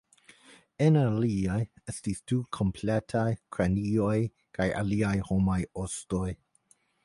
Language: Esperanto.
En aliaj estis du kompletaj kranioj kaj aliaj homaj ostoj.